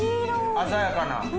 鮮やかな。